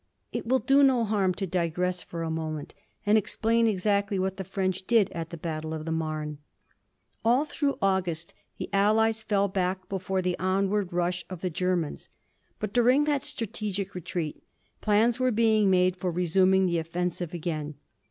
It will do no harm to digress for a moment and explain exactly what the French did at the battle of the Marne. All through August the Allies fell back before the onward rush of the Germans. But during all that strategic retreat plans were being made for resuming the offensive again.